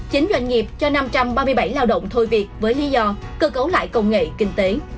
chính doanh nghiệp cho năm trăm ba mươi bảy lao động thôi việc với lý do cơ cấu lại công nghệ kinh tế